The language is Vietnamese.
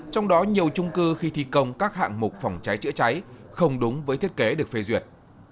trong đó nhiều trung cư khi thi công các hạng mục phòng cháy chữa cháy không đúng với thiết kế được phê duyệt